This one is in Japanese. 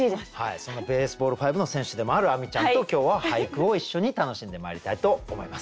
そのＢａｓｅｂａｌｌ５の選手でもある亜美ちゃんと今日は俳句を一緒に楽しんでまいりたいと思います。